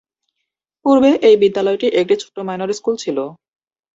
পূর্বে এই বিদ্যালয়টি একটি ছোট মাইনর স্কুল ছিল।